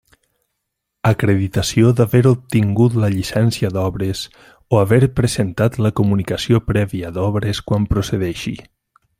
Acreditació d'haver obtingut la llicència d'obres o haver presentat la comunicació prèvia d'obres quan procedeixi.